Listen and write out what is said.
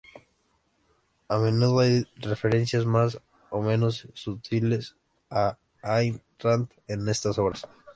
A menudo hay referencias más o menos sutiles a Ayn Rand en estas obras.